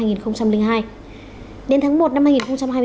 đến tháng một năm hai nghìn hai mươi nga đã đặt ra một thỏa thuận new start